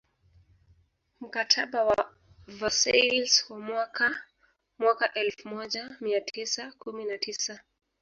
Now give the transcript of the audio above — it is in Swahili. Mkataba wa Versailles wa mwaka mwaka elfumoja mia tisa kumi na tisa